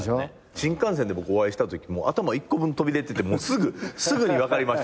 新幹線で僕お会いしたときも頭一個分飛び出ててすぐに分かりました。